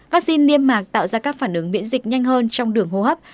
vắc xin niêm mạc tạo ra các phản ứng miễn dịch nhanh hơn trong đường hô hấp